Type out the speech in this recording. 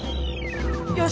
よし！